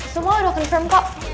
semua udah confirm kok